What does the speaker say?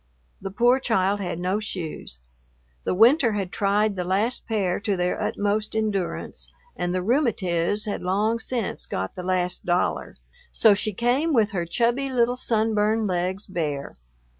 The poor child had no shoes. The winter had tried the last pair to their utmost endurance and the "rheumatiz" had long since got the last dollar, so she came with her chubby little sunburned legs bare.